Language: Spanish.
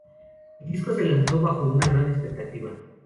El disco se lanzó bajo una gran expectativa.